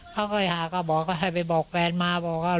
เขาก็ไปหาก็บอกก็ให้ไปบอกแฟนมาบอกว่า